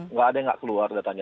nggak ada yang nggak keluar datanya